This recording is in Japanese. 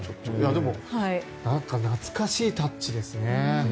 でも、懐かしいタッチですね。